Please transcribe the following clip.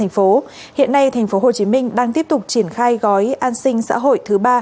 hiện nay tp hcm đang tiếp tục triển khai gói an sinh xã hội thứ ba